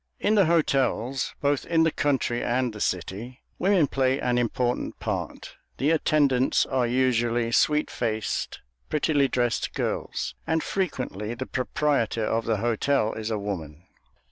In the hotels, both in the country and the city, women play an important part. The attendants are usually sweet faced, prettily dressed girls, and frequently the proprietor of the hotel is a woman.